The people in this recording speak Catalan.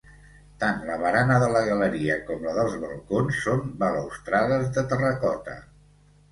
Tant la barana de la galeria com la dels balcons són balustrades de terracota.